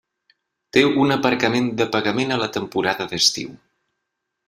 Té un aparcament, de pagament a la temporada d'estiu.